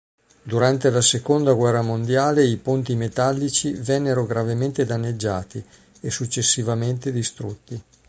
Durante la seconda guerra mondiale i ponti metallici vennero gravemente danneggiati e, successivamente, distrutti.